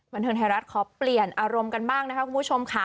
บันเทิงไทยรัฐขอเปลี่ยนอารมณ์กันบ้างนะคะคุณผู้ชมค่ะ